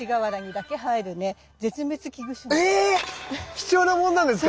貴重なもんなんですか？